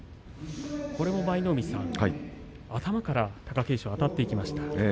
これも舞の海さん頭から貴景勝あたっていきました。